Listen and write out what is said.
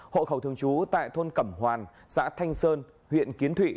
hộ khẩu thường trú tại thôn cẩm hoàn xã thanh sơn huyện kiến thụy